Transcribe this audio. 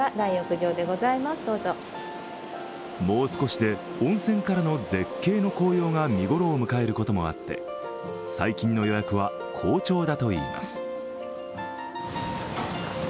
もう少しで温泉からの絶景の紅葉が見頃を迎えることもあって最近の予約は好調だといいます。